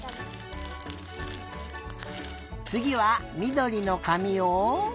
つぎはみどりのかみを。